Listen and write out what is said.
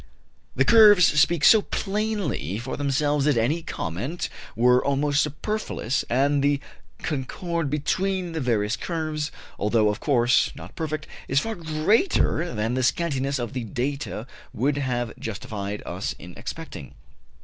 The curves speak so plainly for themselves that any comment were almost superfluous, and the concord between the various curves, although, of course, not perfect, is far greater than the scantiness of the data would have justified us in expecting.